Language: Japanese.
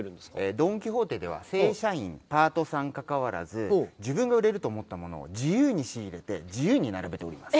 ドン・キホーテでは正社員パートさんかかわらず自分が売れると思ったものを自由に仕入れて自由に並べて売ります。